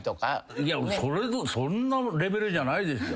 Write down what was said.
いやそんなレベルじゃないですよ。